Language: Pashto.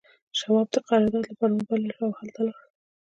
شواب د قرارداد لپاره وبلل شو او هلته لاړ